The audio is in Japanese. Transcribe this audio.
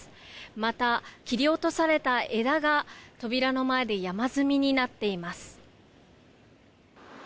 また、切り落とされた枝が扉の前で山積みになっています。